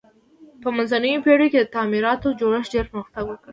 په منځنیو پیړیو کې د تعمیراتو جوړښت ډیر پرمختګ وکړ.